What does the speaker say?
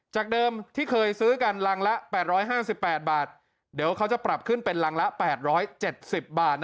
จากเดิมที่เคยซื้อกันรังละ๘๕๘บาทเดี๋ยวเขาจะปรับขึ้นเป็นรังละ๘๗๐บาท